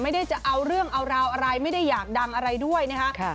ไม่ได้จะเอาเรื่องเอาราวอะไรไม่ได้อยากดังอะไรด้วยนะคะ